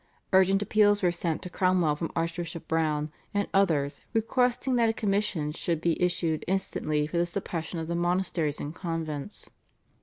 Urgent appeals were sent to Cromwell from Archbishop Browne and others, requesting that a commission should be issued instantly for the suppression of the monasteries and convents.